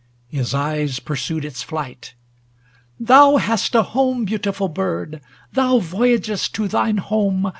His eyes pursued its flight: ŌĆö ' Thou hast a home, 280 Beautiful bird ! thou voyagest to thine home.